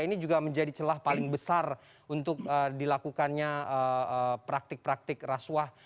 ini juga menjadi celah paling besar untuk dilakukannya praktik praktik rasuah